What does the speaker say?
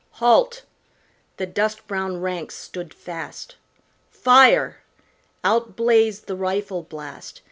"Halt!" the dust brown ranks stood fast. "Fire!" out blazed the rifle blast.